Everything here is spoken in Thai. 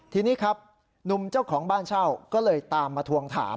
ทีนี้ครับหนุ่มเจ้าของบ้านเช่าก็เลยตามมาทวงถาม